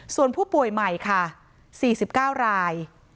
ส่วนผู้ป่วยใหม่ค่ะ๔๙ราย